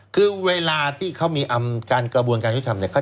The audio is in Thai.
คือเวลาที่เค้ามีการกระบวนการยุทธิ์ธรรม